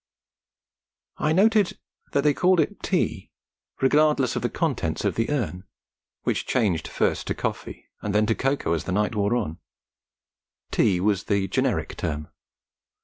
I noted that they called it tea regardless of the contents of the urn, which changed first to coffee and then to cocoa as the night wore on: tea was the generic term.